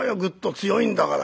強いんだから」。